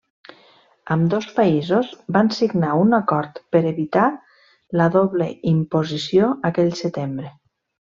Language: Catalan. Ambdós països van signar un acord per evitar la doble imposició aquell setembre.